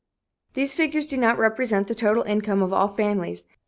These figures do not represent the total income of all families.